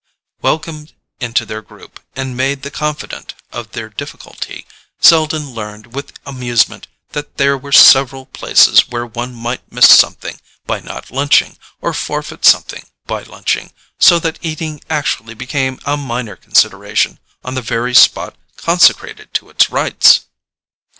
Welcomed into their group, and made the confidant of their difficulty, Selden learned with amusement that there were several places where one might miss something by not lunching, or forfeit something by lunching; so that eating actually became a minor consideration on the very spot consecrated to its rites.